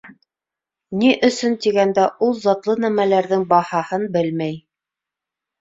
Ни өсөн тигәндә, ул затлы нәмәләрҙең баһаһын белмәй.